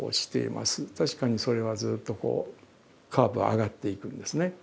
確かにそれはずっとカーブは上がっていくんですね。